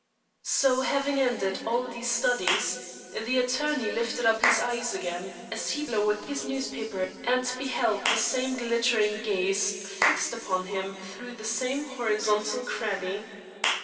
So having ended all these studies, the attorney lifted up his eyes again, as he lowered his newspaper, and beheld the same glittering gaze fixed upon him through the same horizontal cranny.